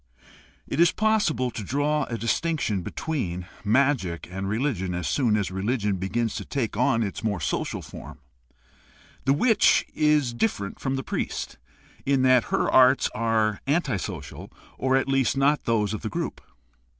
It is possible to draw a distinction between magic and reli gion as soon as religion begins to take on its more social form. The witch is dififerent from the priest, in that her arts are anti social, or at least not those of the group.